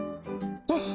よし！